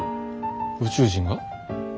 宇宙人が？